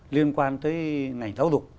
liên quan tới ngành tháo dục